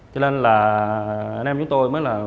cho nên là anh em chúng tôi mới là